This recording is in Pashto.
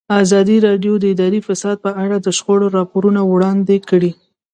ازادي راډیو د اداري فساد په اړه د شخړو راپورونه وړاندې کړي.